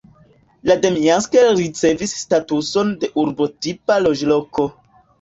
La Demjansk ricevis statuson de urbotipa loĝloko.